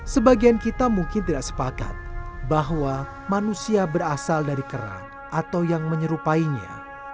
sebagian kita mungkin tidak sepakat bahwa manusia berasal dari kerang atau yang menyerupainya